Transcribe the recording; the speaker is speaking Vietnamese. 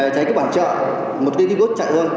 cháy các bản chợ một cái đi cốt chạy hơn